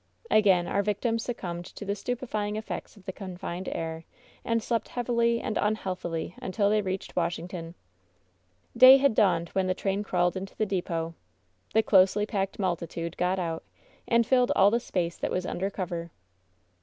Again our victims succumbed to the stupefying effects of the confined air, and slept heavily and unhealthily until they reached Washington. Day had dawned when the train crawled into the depot. The closely packed multitude got out, and filled all the space that was under cover. Mr.